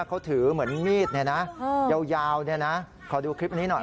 เขาถือเหมือนมีดยาวนะขอดูคลิปนี้หน่อย